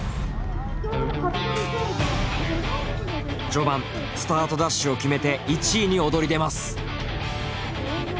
序盤スタートダッシュを決めて１位に躍り出ます。